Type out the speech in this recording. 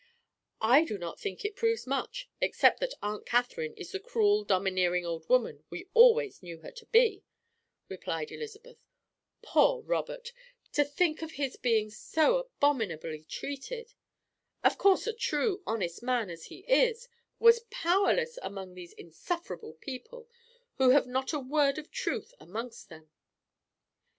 "I do not think it proves much, except that Aunt Catherine is the cruel domineering old woman we always knew her to be," replied Elizabeth. "Poor Robert! to think of his being so abominably treated! Of course a true, honest man, as he is, was powerless among these insufferable people, who have not a word of truth amongst them."